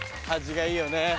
端がいいよね。